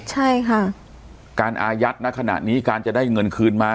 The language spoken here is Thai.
ใช่ค่ะการอายัดณขณะนี้การจะได้เงินคืนมา